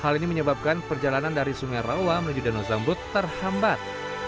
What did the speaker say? hal ini menyebabkan perjalanan dari sungai rawa menuju danau zamrut terhambat